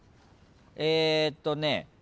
えーとね。